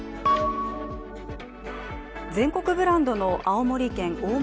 全国ブランドの青森県大間